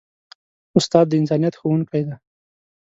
استاد د انسانیت ښوونکی دی.